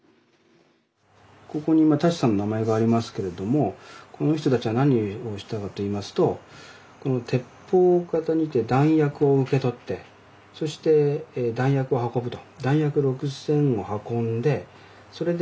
ここに舘さんの名前がありますけれどもこの人たちは何をしたかといいますとこの鉄砲方にて弾薬を受け取ってそして弾薬を運ぶと。